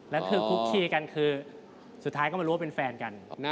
แล้วคือคุกคีกันคือสุดท้ายก็มารู้ว่าเป็นแฟนกัน